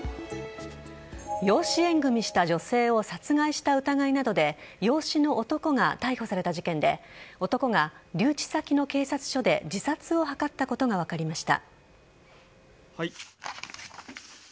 養子縁組した女性を殺害した疑いなどで養子の男が逮捕された事件で男が留置先の警察署で自殺を図ったことが分かりました。